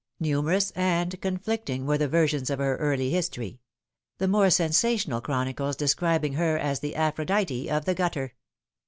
Numerous and conflicting were the versions of her early history the more sen sational chronicles describing her as the Aphrodite of the gutter.